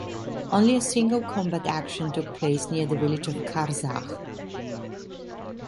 Only a single combat action took place near the village of Karzakh.